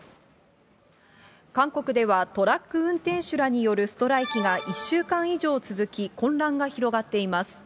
韓国では、トラック運転手らによるストライキが１週間以上続き、混乱が広がっています。